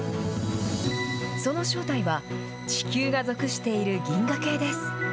その正体は、地球が属している銀河系です。